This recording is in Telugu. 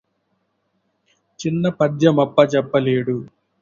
చిన్న పద్యమప్ప జెప్పలేడు